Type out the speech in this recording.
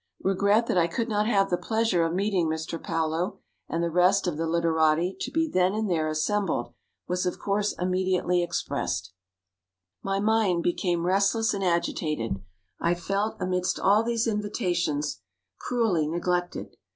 Regret that I could not have the pleasure of meeting Mr. Paulo, and the rest of the literati to be then and there assembled, was of course immediately expressed. My mind became restless and agitated. I felt, amidst all these invitations, cruelly neglected.